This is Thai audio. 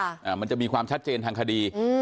มันจะมีความชัดเจนทางคดีอืม